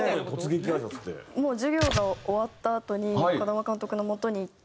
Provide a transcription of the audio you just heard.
授業が終わったあとに児玉監督のもとに行って。